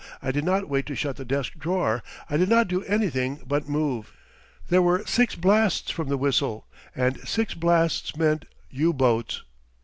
I did not wait to shut the desk drawer. I did not do anything but move. There were six blasts from the whistle, and six blasts meant U boats.